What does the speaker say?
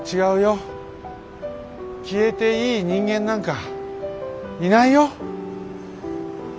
消えていい人間なんかいないよ。